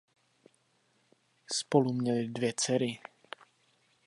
Spolu měli dvě dcery.